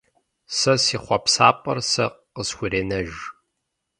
Сэ си хъуэпсапӏэр сэ къысхуренэж!